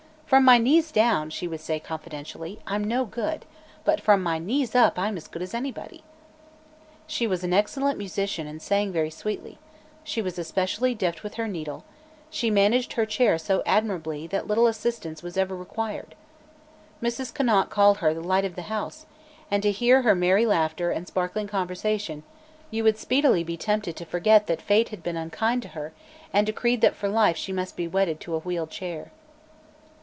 "From my knees down," she would say confidentially, "I'm no good; but from my knees up I'm as good as anybody." She was an excellent musician and sang very sweetly; she was especially deft with her needle; she managed her chair so admirably that little assistance was ever required. Mrs. Conant called her "the light of the house," and to hear her merry laughter and sparkling conversation, you would speedily be tempted to forget that fate had been unkind to her and decreed that for life she must be wedded to a wheeled chair.